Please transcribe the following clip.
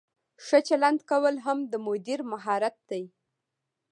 ښه چلند کول هم د مدیر مهارت دی.